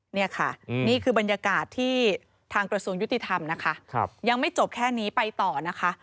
นี่ค่ะนี่คือบรรยากาศที่ทางกระทรวงยุติธรรมนะคะยังไม่จบแค่นี้ไปต่อนะคะ